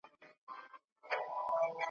په دنیا کي چي تر څو جبر حاکم وي`